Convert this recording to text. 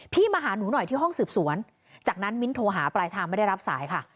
มาหาหนูหน่อยที่ห้องสืบสวนจากนั้นมิ้นโทรหาปลายทางไม่ได้รับสายค่ะ